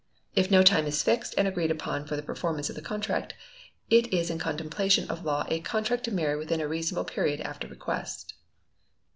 If no time is fixed and agreed upon for the performance of the contract, it is in contemplation of law _a contract to marry within a reasonable period after request.